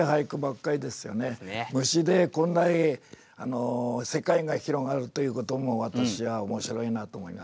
「虫」でこんなに世界が広がるということも私はおもしろいなと思いました。